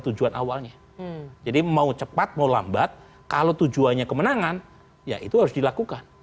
tujuan awalnya jadi mau cepat mau lambat kalau tujuannya kemenangan ya itu harus dilakukan